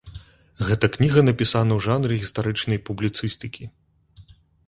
Гэта кніга напісана ў жанры гістарычнай публіцыстыкі.